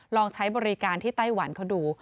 ลองใช้บริการที่ไต้หวันเขาดู